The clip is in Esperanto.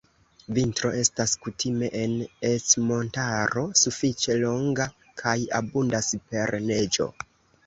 Vintro estas kutime en Ercmontaro sufiĉe longa kaj abundas per neĝo.